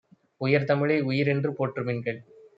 உயர்தமிழை உயிர்என்று போற்று மின்கள்!